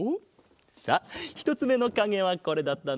さあひとつめのかげはこれだったな。